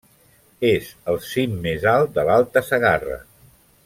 És el cim més alt de l'Alta Segarra.